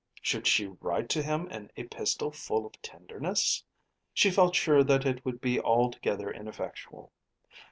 Should she write to him an epistle full of tenderness? She felt sure that it would be altogether ineffectual.